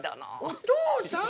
お父さん！